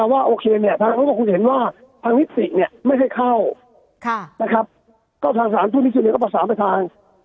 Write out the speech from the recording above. ว่าธรรมนิติเนี้ยไม่ให้เข้าค่ะนะครับก็ทางสามทุกวันที่สุดนี้ก็ประสาทไปทาง